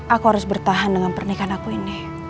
aku harus bertahan dengan pernikahan aku ini